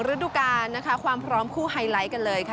ฤดูกาลนะคะความพร้อมคู่ไฮไลท์กันเลยค่ะ